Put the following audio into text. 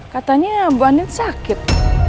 katanya bu andin sakit